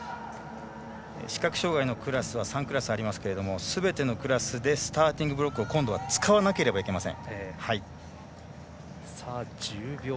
視覚障がいのクラスは３クラスありますがすべてのクラスでスターティングブロックを使わなければいけません。